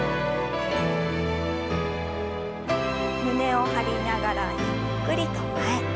胸を張りながらゆっくりと前。